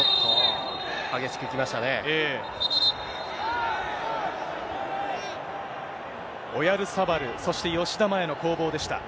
激しくいきましたね。